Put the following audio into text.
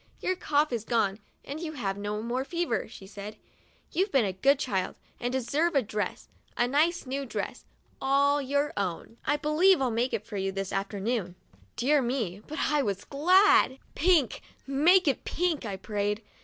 Your cough's gone, and you have no more fever," she said; 'you've been a good child and deserve a dress — a nice new 44 WEDNESDAY— I GET A NEW DRESS dress, all your own. I believe I'll make it for you this afternoon." Dear me, but I was glad ! "Pink — make it pink!' I prayed.